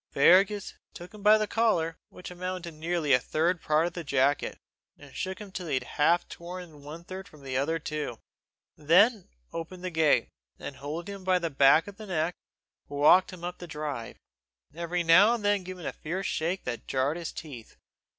Fergus took him by the collar, which amounted to nearly a third part of the jacket, and shook him till he had half torn that third from the other two; then opened the gate, and, holding him by the back of the neck, walked him up the drive, every now and then giving him a fierce shake that jarred his teeth.